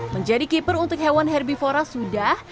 menjadi keeper untuk hewan herbivora sudah